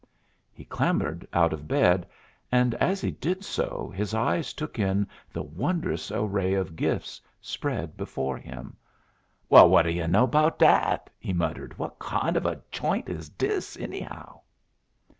He clambered out of bed, and as he did so his eyes took in the wondrous array of gifts spread before him. "Well, whad'd'yer know about dat?" he muttered. "What kind of a choint is diss, anyhow?"